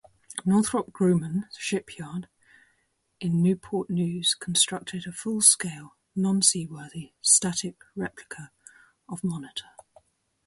Northrop Grumman Shipyard in Newport News constructed a full-scale non-seaworthy static replica of "Monitor".